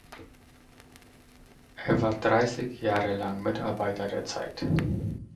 Er war dreißig Jahre lang Mitarbeiter der Zeit.